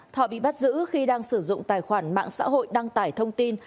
thọ bị bắt giữ khi đang sử dụng tài khoản mạng xã hội đăng tải thông tin